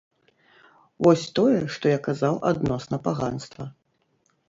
Вось тое, што я казаў адносна паганства.